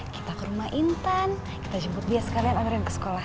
kita ke rumah intan kita jemput dia sekalian orang yang ke sekolah